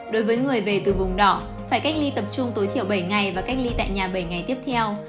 đối với người về từ vùng đỏ phải cách ly tập trung tối thiểu bảy ngày và cách ly tại nhà bảy ngày tiếp theo